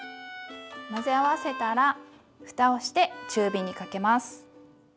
混ぜ合わせたらふたをして中火にかけます。